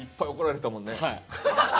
はい。